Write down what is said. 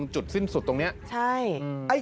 ใช่